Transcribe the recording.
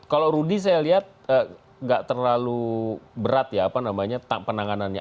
kalau rudy saya lihat nggak terlalu berat ya penanganannya